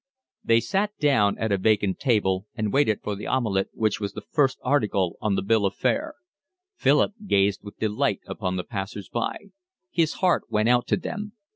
They sat down at a vacant table and waited for the omelette which was the first article on the bill of fare. Philip gazed with delight upon the passers by. His heart went out to them.